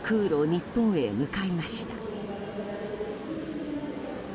日本へ向かいました。